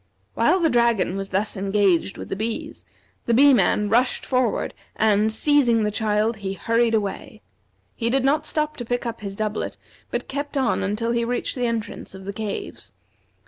While the dragon was thus engaged with the bees, the Bee man rushed forward, and, seizing the child, he hurried away. He did not stop to pick up his doublet, but kept on until he reached the entrance of the caves.